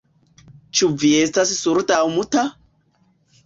Ĉu vi estas surda aŭ muta?